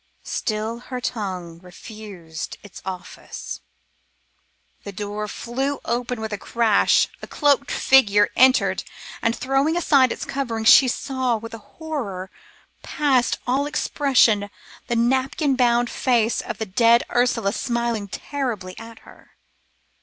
Still her tongue refused its office. The door flew open with a crash, a cloaked figure entered and, throwing aside its coverings, she saw with a horror past all expression the napkin bound face of the dead Ursula smiling terribly at her.